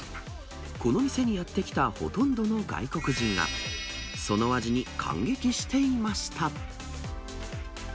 この店にやって来たほとんどの外国人が、その味に感激していました。